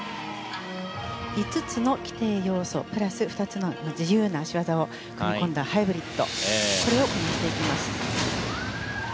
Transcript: ５つの規定要素プラス２つの自由な脚技を組み込んだハイブリッドで行っていきます。